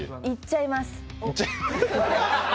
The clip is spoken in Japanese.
行っちゃいます。